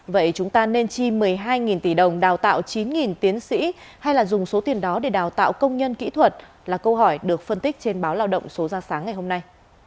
vậy chúng ta nên chi một mươi hai tỷ đồng đào tạo chín tiến sĩ hay là dùng số tiền đó để đào tạo công nhân kỹ thuật là câu hỏi được phân tích trên báo lao động số ra sáng ngày hôm nay